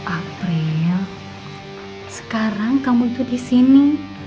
april sekarang kamu itu di sini